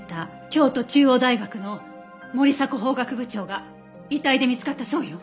京都中央大学の森迫法学部長が遺体で見つかったそうよ。